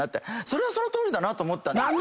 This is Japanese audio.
それはそのとおりだなと思ったんですよ。